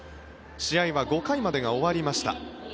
試合は５回までが終わりました。